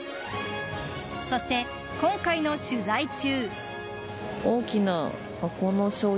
そして今回の取材中。